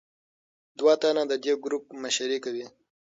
دوه تنه د دې ګروپ مشري کوي.